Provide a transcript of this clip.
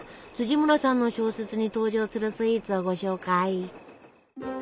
村さんの小説に登場するスイーツをご紹介！